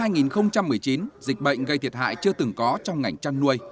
năm hai nghìn một mươi chín dịch bệnh gây thiệt hại chưa từng có trong ngành chăn nuôi